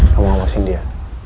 kamu ngawasin dia